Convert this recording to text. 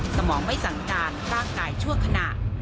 สมองไม่สั่งการร่างกายชั่วขณะ